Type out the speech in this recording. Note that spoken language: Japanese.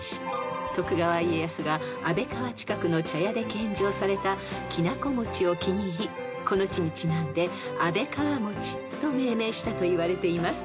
［徳川家康が安倍川近くの茶屋で献上されたきな粉餅を気に入りこの地にちなんで安倍川餅と命名したといわれています］